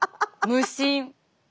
無心？